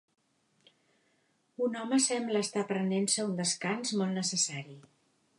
Un home sembla estar prenent-se un descans molt necessari.